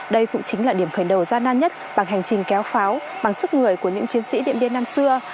đây cũng chính là điểm khởi đầu gian nan nhất bằng hành trình kéo pháo bằng sức người của những chiến sĩ điện biên năm xưa